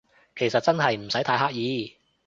其實真係唔使太刻意